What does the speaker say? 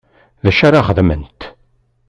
D acu ara xedment?